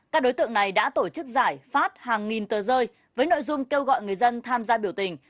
các đối tượng này đã tổ chức giải phát hàng nghìn tờ rơi với nội dung kêu gọi người dân tham gia biểu tình